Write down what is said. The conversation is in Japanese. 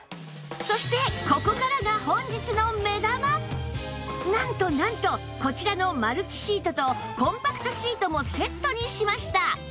そしてなんとなんとこちらのマルチシートとコンパクトシートもセットにしました！